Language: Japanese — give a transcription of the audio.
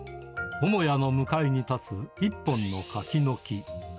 母屋の向かいに立つ、一本の柿の木。